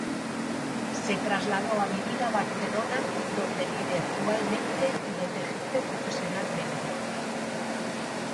Se trasladó a vivir a Barcelona, donde vive actualmente y donde ejerce profesionalmente.